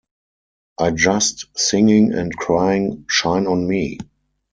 I just singing and crying 'Shine on Me'...